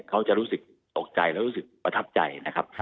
เขาจะรู้สึกตกใจและรู้สึกประทับใจนะครับ